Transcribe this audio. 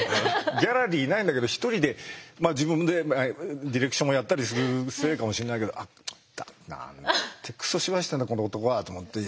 ギャラリーいないんだけど一人で自分でディレクションをやったりするせいかもしんないけど「なんてくそ芝居してんだこの男は」と思ってえ！